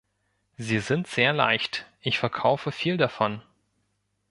Sie sind sehr leicht; ich verkaufe viel davon.